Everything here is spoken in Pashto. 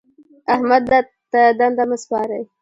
احمد ته دنده مه سپارئ.